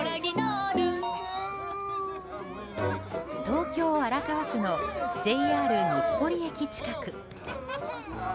東京・荒川区のＪＲ日暮里駅近く。